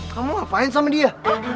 kamu ngapain sama dia